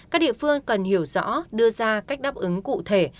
các địa phương cần hiểu rõ đưa ra cách đáp ứng cụ thể